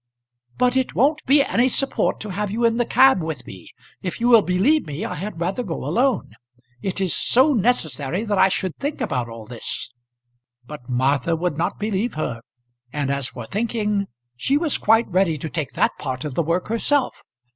"But it won't be any support to have you in the cab with me. If you will believe me, I had rather go alone. It is so necessary that I should think about all this." But Martha would not believe her; and as for thinking, she was quite ready to take that part of the work herself.